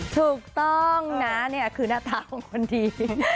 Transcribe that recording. ถูกต้องนะเนี่ยคือหน้าตาของคนดี